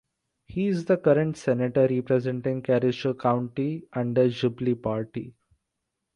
He is the current senator representing Kericho County under Jubilee Party.